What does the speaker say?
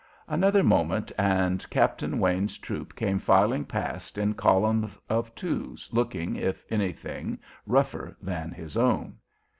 Another moment, and Captain Wayne's troop came filing past in column of twos, looking, if anything, rougher than his own.